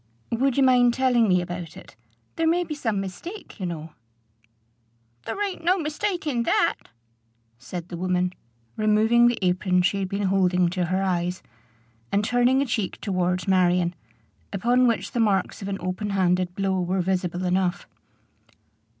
"Would you mind telling me about it? There may be some mistake, you know." "There ain't no mistake in that," said the woman, removing the apron she had been holding to her eyes, and turning a cheek towards Marion, upon which the marks of an open handed blow were visible enough.